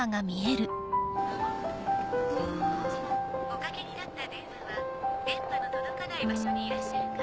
おかけになった電話は電波の届かない場所にいらっしゃるか。